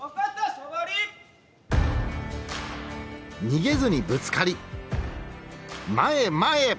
逃げずにぶつかり前へ前へ。